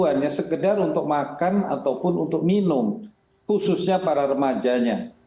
hanya sekedar untuk makan ataupun untuk minum khususnya para remajanya